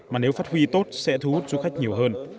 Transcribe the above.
mà nếu phát huy tốt sẽ thu hút du khách nhiều hơn